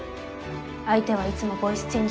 相手はいつもボイスチェン